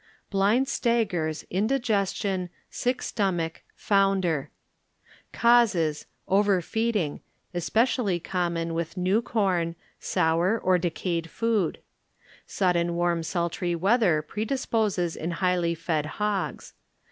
Blind Stagcees, Indigestion, Sick Stomach, Foundee. ŌĆö Causes, over feed ing, especially common with new corn ; sour or decayed food. Sudden warm sultry weather predisposes in highly fed hogs.